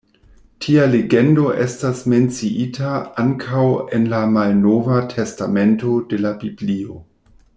Tia legendo estas menciita ankaŭ en la Malnova Testamento de la Biblio.